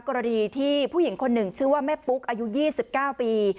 กรณีที่ผู้หญิงคนหนึ่งชื่อว่าแม่ปุ๊กอายุ๒๙ปี